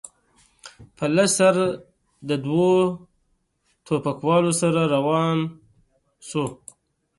په لوڅ سر له دوو ټوپکوالو سره روان شو.